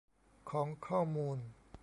ของข้อมูล